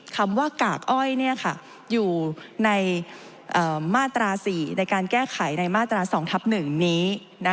คำว่ากากอ้อยอยู่ในมาตรา๔ในการแก้ไขในมาตรา๒ทับ๑นี้